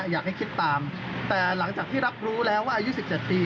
อยากให้คิดตามแต่หลังจากที่รับรู้แล้วว่าอายุ๑๗ปี